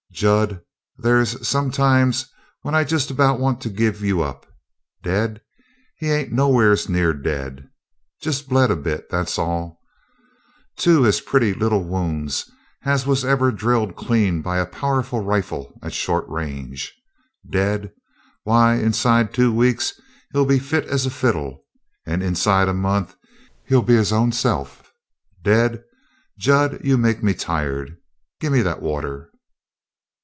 "Jud, they's some times when I just about want to give you up! Dead? He ain't nowheres near dead. Just bled a bit, that's all. Two as pretty little wounds as was ever drilled clean by a powerful rifle at short range. Dead? Why, inside two weeks he'll be fit as a fiddle, and inside a month he'll be his own self! Dead! Jud, you make me tired! Gimme that water."